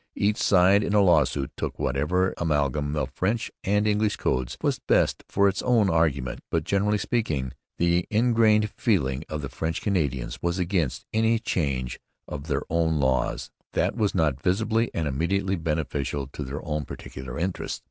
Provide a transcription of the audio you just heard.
Each side in a lawsuit took whatever amalgam of French and English codes was best for its own argument. But, generally speaking, the ingrained feeling of the French Canadians was against any change of their own laws that was not visibly and immediately beneficial to their own particular interests.